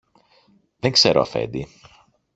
Δεν ξέρω, Αφέντη.